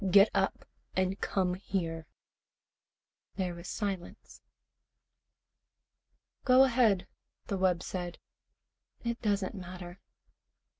"Get up and come here." There was silence. "Go ahead," the wub said. "It doesn't matter."